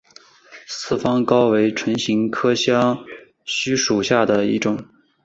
四方蒿为唇形科香薷属下的一个种。